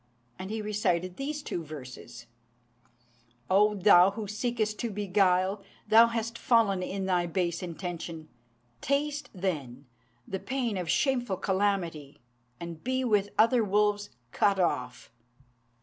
And he recited these two verses "O thou who seekest to beguile! thou hast fallen in thy base intention. Taste, then, the pain of shameful calamity, and be with other wolves cut off."